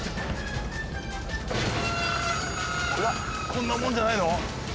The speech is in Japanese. こんなもんじゃないの？